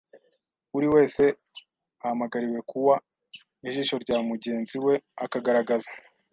uri wese ahamagariwe kua ijisho rya mugenzi we akagaragaza